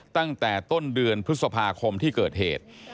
ตั้งแต่ต้นเดือนพฤษภาคมที่เกิดเหตุ